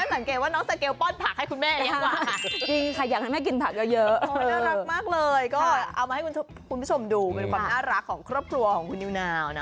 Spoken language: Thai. หลังจากนี้ฉันสังเกตว่าน้องเซเก๋ลป้อนผักให้คุณแม่นี้หน่อย